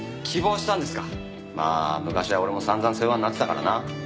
まあ昔は俺も散々世話になってたからな。